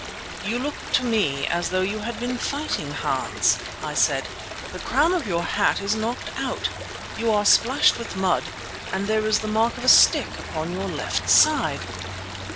"You look to me as though you had been fighting, Hans," I said. "The crown of your hat is knocked out; you are splashed with mud and there is the mark of a stick upon your left side."